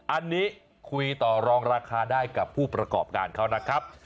อันนี้คุยต่อรองราคาได้กับผู้ประกอบการเขานะครับ